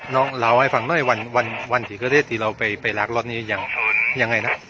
น้องหล่าวให้ฟังหน่อยวันที่เราไปลากรถนี้ยังไงนะ